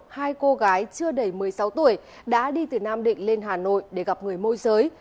hai cô gái chưa đầy một mươi sáu tuổi đã đi từ nam định lên hà nội để gặp người môi giới